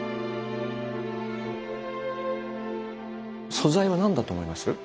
素材は何だと思います？